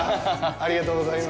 ありがとうございます。